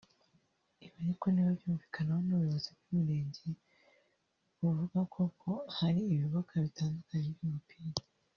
Ibi ariko ntibabyumvikana n’ubuyobozi bw’uyu murenge buvuga ko ngo hari ibibuga bitandukanye by’umupira